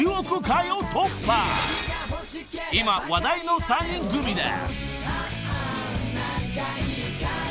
［今話題の３人組です］